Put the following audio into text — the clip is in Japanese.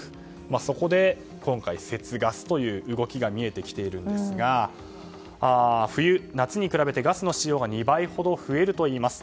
そこで今回、節ガスという動きが見えてきているんですが冬は夏に比べてガスの使用が２倍ほど増えるといいます。